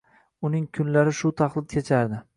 Uning kunlari shu taxlit kechardi...